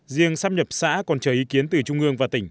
riêng sắp nhập xã còn chờ ý kiến từ trung ương và tỉnh